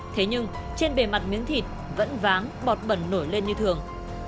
thế nhưng trên bề mặt miếng thịt vẫn váng bọt bẩn nổi lên như thường